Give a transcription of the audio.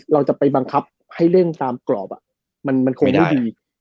เราจะไปบังคับให้เร่งตามกรอบมันคงไม่ดี